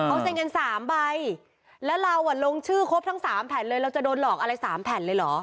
เขาเซ็นกันสามใบแล้วเราอ่ะลงชื่อครบทั้งสามแผ่นเลยเราจะโดนหลอกอะไรสามแผ่นเลยเหรอ